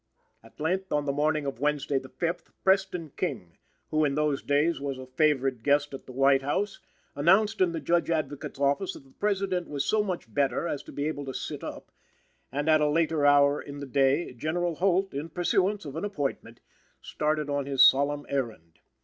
At length, on the morning of Wednesday, the fifth, Preston King, who, in those days, was a favored guest at the White House, announced in the Judge Advocate's office that the President was so much better as to be able to sit up; and at a later hour in the day, General Holt, in pursuance of an appointment, started on his solemn errand.